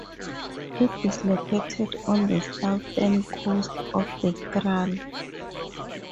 It is located on the southern coast of the krai.